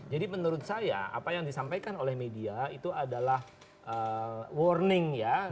jadi menurut saya apa yang disampaikan oleh media itu adalah warning ya